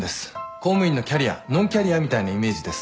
公務員のキャリアノンキャリアみたいなイメージです。